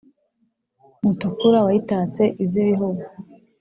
mutukura wayitatse iz’ibihugu,